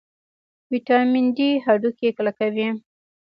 ویټامین ډي هډوکي کلکوي